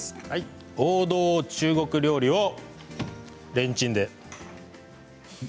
王道中国料理をレンチンで。